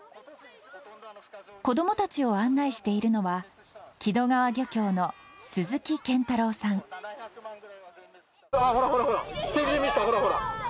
子どもたちを案内しているのは、ほらほらほらほら、背びれ見えた、ほらほら。